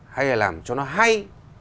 hay là làm cho nó hay